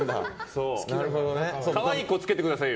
可愛い子つけてくださいよ